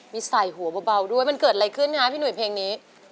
มีใส่หัวเบาด้วยมันเกิดอะไรขึ้นฮะพี่หนุ่ยเพลงนี้